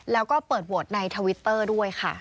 แล้วก็เปิดโหวตในทวิตเตอร์ด้วยค่ะ